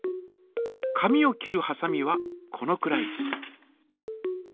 紙を切るはさみはこのくらい。